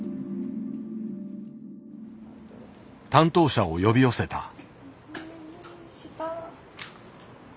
担当者を呼び寄せた。